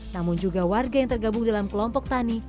namun juga warga yang tergabung dalam kelompok tani